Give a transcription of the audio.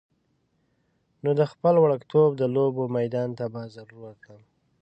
نو د خپل وړکتوب د لوبو میدان ته به ضرور ورتللم.